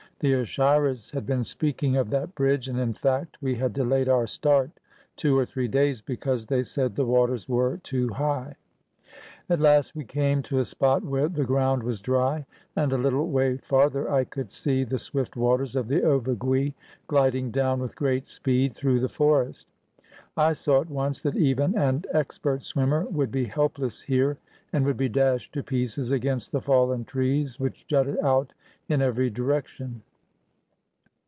The Ashiras had been speaking of that bridge, and, in fact, we had delayed our start two or three days because they said the waters were too high. At last we came to a spot where the ground was dry, and a httle way farther I could see the swift waters of the Ovigui gliding down with great speed through the forest. I saw at once that even an expert swimmer would be helpless here, and would be dashed to pieces against the fallen trees which jutted out in every direction.